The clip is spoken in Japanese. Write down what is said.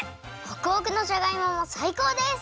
ホクホクのじゃがいももさいこうです！